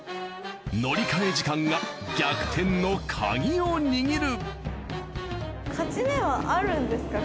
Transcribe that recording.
乗り換え時間が逆転のカギを握る。